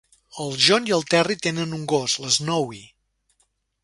El John i el Terry tenen un gos: l'Snowy.